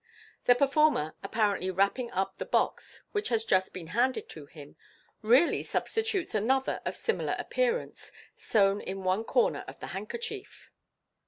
The performer, apparently wrapping up the box which has just been handed to him, really substitutes another of similar appearance, sewn in one corner of the handkerchief.